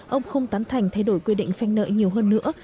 ông không tán thành thay đổi quy định phanh nợ nhiều hơn nữa